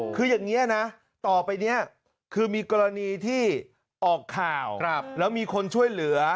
คืออย่างนี้นะต่อไปนี้คือมีกรณีที่ออกข่าวแล้วมีคนช่วยเหลือ